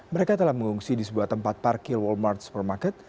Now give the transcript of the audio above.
mereka telah mengungsi di sebuah tempat parkir wallmart supermarket